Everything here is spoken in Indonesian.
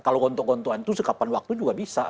kalau gontok gontoan itu sekapan waktu juga bisa